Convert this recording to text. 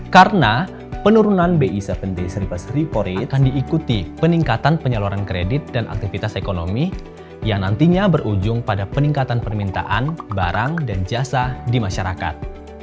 karena penurunan bi tujuh d seripas repo rate akan diikuti peningkatan penyaluran kredit dan aktivitas ekonomi yang nantinya berujung pada peningkatan permintaan barang dan jasa di masyarakat